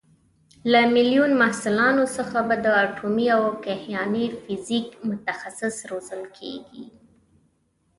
له میلیون محصلانو څخه به د اټومي او کیهاني فیزیک متخصص روزل کېږي.